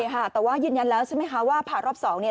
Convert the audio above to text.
รับมาอย่างนั้นถ้าผ่านเงินขึ้นทางคือ